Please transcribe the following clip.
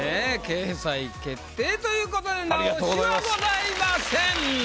掲載決定ということで直しはございません。